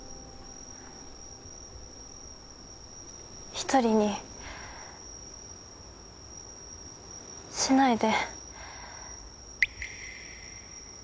１人にしないで。